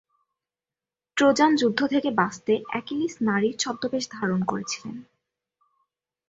Trojan যুদ্ধ থেকে বাঁচতে অ্যাকিলিস নারীর ছদ্মবেশ ধারণ করেছিলেন।